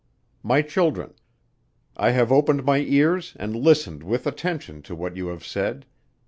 "My Children. I have opened my ears and listened with attention to what you have said.